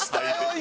今！